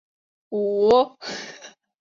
五反田站的铁路车站。